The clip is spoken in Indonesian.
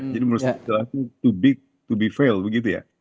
jadi menurut saya itu terlalu besar untuk gagal begitu ya